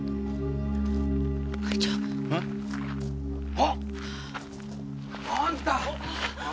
あっ！あんた。